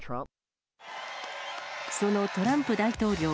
そのトランプ大統領。